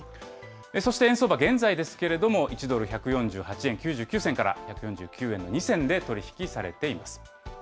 そして円相場、現在ですけれども、１ドル１４８円９９銭から１４９円２銭で取り引きされています。